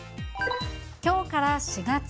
きょうから４月。